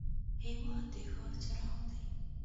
هېواد د ښار څراغ دی.